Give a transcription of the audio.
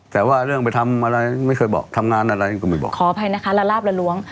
แต่ว่าเรื่องไปทำอะไรไม่เคยบอกทำงานอะไรก็ไม่บอกขออภัยนะคะละลาบละล้วง